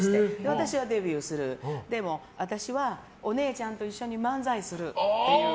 私はデビューするでも、私はお姉ちゃんと一緒に漫才するって。